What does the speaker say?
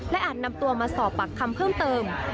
อาจนำตัวมาสอบปากคำเพิ่มเติม